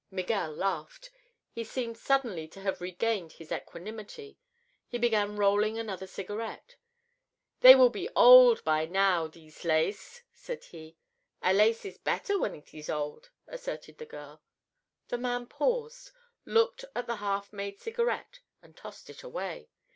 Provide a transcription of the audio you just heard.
Miguel laughed. He seemed suddenly to have regained his equanimity. He began rolling another cigarette. "They will be old, by now, thees lace," said he. "A lace is better when it is old," asserted the girl. The man paused, looked at the half made cigarette and tossed it away.